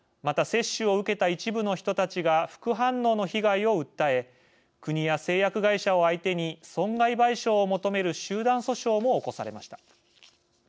また接種を受けた一部の人たちが副反応の被害を訴え国や製薬会社を相手に損害賠償を求める集団訴訟も起こされました。